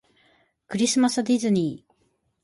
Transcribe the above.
クリスマスディズニー